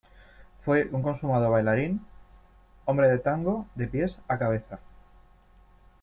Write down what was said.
Fue un consumado bailarín, hombre de tango de pies a cabeza.